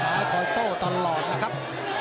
สายถอยโต้ตลอดนะครับ